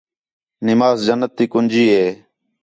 نماز جنت تی کنجی ہِے